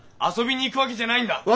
遊びに行くわけじゃないんだ。